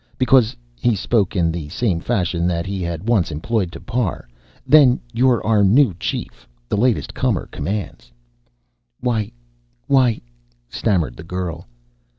Because," and he spoke in the same fashion that he had once employed to Parr, "then you're our new chief. The latest comer commands." "Why why " stammered the girl.